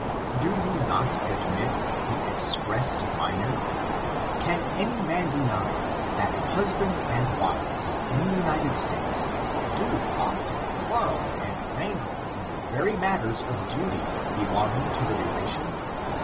Do you not admit the expressed minor ? Can any man deny, that husbands and wives, in the United States, do often quarrel and wrangle in the very matters of duty belonging to the relation?